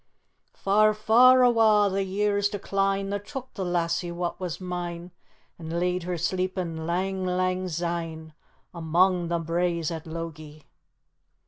"Far, far awa' the years decline That took the lassie wha was mine And laid her sleepin' lang, lang syne Among the braes at Logie."